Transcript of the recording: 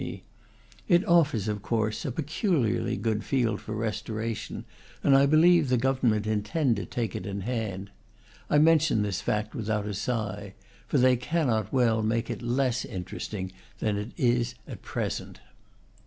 It offers, of course, a peculiarly good field for restoration, and I believe the government intend to take it in hand. I mention this fact without a sigh; for they cannot well make it less interesting than it is at present.